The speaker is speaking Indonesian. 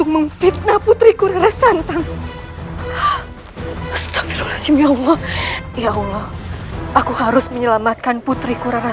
beritahukan kepada rai